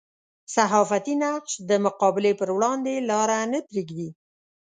صحافتي نقش د مقابلې پر وړاندې لاره نه پرېږدي.